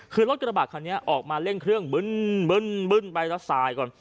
คือรถกระบาดคันนี้ออกมาเร่งเครื่องบึ้นไปแล้วสายก่อน